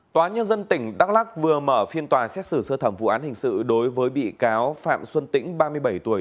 tòa nhân dân tỉnh đắk lắc vừa mở phiên tòa xét xử sơ thẩm vụ án hình sự đối với bị cáo phạm xuân tĩnh ba mươi bảy tuổi